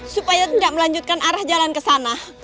supaya tidak melanjutkan arah jalan ke sana